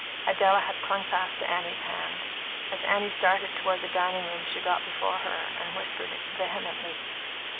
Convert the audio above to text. Idella had clung fast to Annie's hand; as Annie started toward the dining room she got before her, and whispered vehemently.